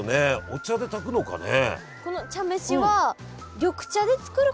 お茶で炊くのかね？